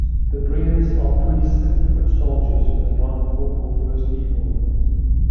The Bringers are priests and foot soldiers for the non-corporeal First Evil.